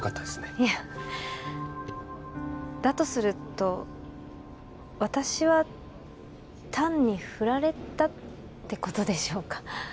いえだとすると私は単にフラれたってことでしょうか？